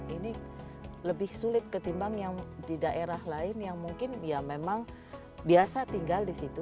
ini lebih sulit ketimbang yang di daerah lain yang mungkin ya memang biasa tinggal di situ